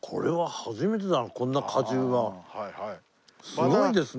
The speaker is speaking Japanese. すごいですね。